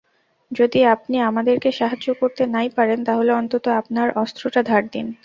যদি আপনি আমাদেরকে সাহায্য করতে নাই পারেন, তাহলে অন্তত আপনার অস্ত্রটা ধার দিন।